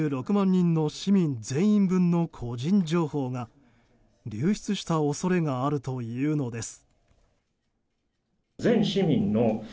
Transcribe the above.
人の市民全員分の個人情報が流出した恐れがあるというのです。